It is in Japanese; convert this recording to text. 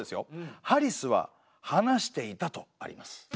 ハリスは話していたとあります。